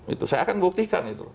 itu saya akan buktikan itu